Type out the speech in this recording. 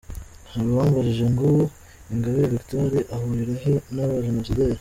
Hari uwambajije ngo ‘Ingabire Victoire ahurira he n’abajenosideri’?